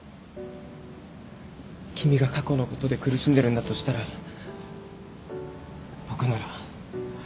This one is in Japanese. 君が過去のことで苦しんでるんだとしたら僕なら。